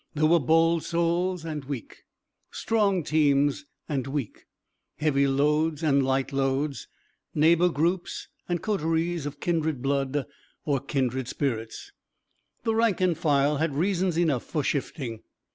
There were bold souls and weak, strong teams and weak, heavy loads and light loads, neighbor groups and coteries of kindred blood or kindred spirits. The rank and file had reasons enough for shifting.